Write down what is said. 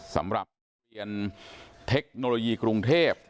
สำหรับเปลี่ยนเทคโนโลยีกรุงเทพฯ